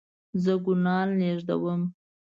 زه ګلان لیږدوم